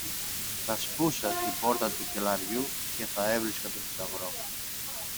θα σπούσα την πόρτα του κελαριού και θα έβρισκα το θησαυρό